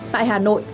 tại hà nội